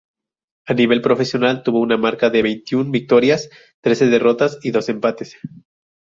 A nivel profesional tuvo una marca de veintiún victorias, trece derrotas y dos empates.